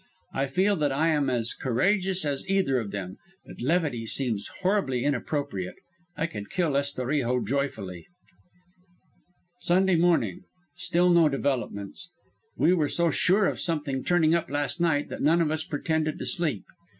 I feel that I am as courageous as either of them, but levity seems horribly inappropriate. I could kill Estorijo joyfully. "Sunday morning. Still no developments. We were so sure of something turning up last night that none of us pretended to sleep.